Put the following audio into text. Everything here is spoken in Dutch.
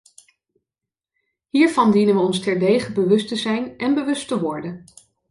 Hiervan dienen wij ons terdege bewust te zijn en bewust te worden.